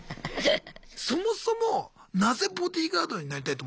そもそもなぜボディーガードになりたいと思ったんすか？